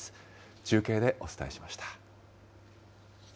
中継でお伝えしました。